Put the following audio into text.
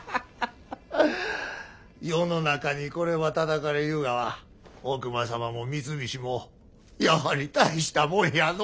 世の中にこればあたたかれゆうがは大隈様も三菱もやはり大したもんやのう。